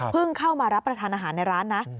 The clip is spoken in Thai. เข้ามารับประทานอาหารในร้านนะ